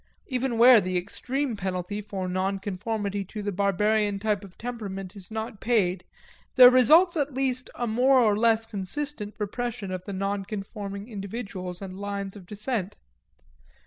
Even where the extreme penalty for non conformity to the barbarian type of temperament is not paid, there results at least a more or less consistent repression of the non conforming individuals and lines of descent.